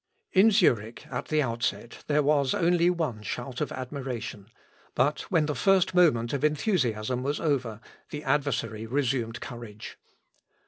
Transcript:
] In Zurich, at the outset, there was only one shout of admiration, but when the first moment of enthusiasm was over, the adversary resumed courage.